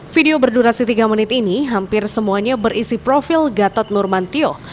video berdurasi tiga menit ini hampir semuanya berisi profil gatot nurmantio